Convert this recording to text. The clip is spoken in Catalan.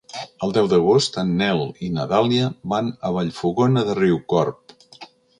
El deu d'agost en Nel i na Dàlia van a Vallfogona de Riucorb.